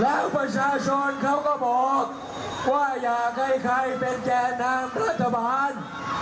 แล้วประชาชนเขาก็บอกว่าอยากให้ใครเป็นแก่นำรัฐบาล